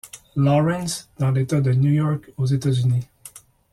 Lawrence, dans l’État de New York aux États-Unis.